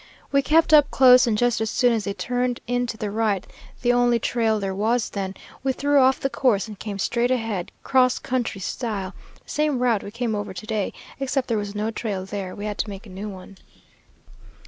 We kept up close, and just as soon as they turned in to the right, the only trail there was then, we threw off the course and came straight ahead, cross country style, same route we came over to day, except there was no trail there; we had to make a new one.